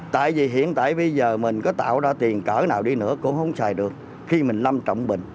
tại vì hiện tại bây giờ mình có tạo ra tiền cỡ nào đi nữa cũng không xài được khi mình lâm trọng bình